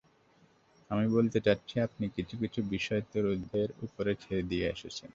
আমি বলতে চাচ্ছি, আপনি কিছু কিছু বিষয় তরুদের ওপর ছেড়ে দিয়ে এসেছেন।